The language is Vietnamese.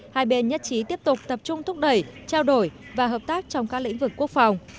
hai bên nhất trí tiếp tục tập trung thúc đẩy trao đổi và hợp tác trong các lĩnh vực quốc phòng